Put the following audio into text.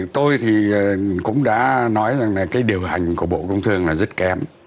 tôi thì cũng đã nói rằng là cái điều hành của bộ công thương là rất kém